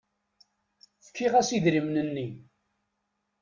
Fkiɣ-as idrimen-nni.